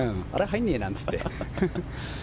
入んねえなんて言って。